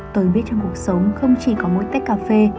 tôi biết trong cuộc sống không chỉ có mỗi tách cà phê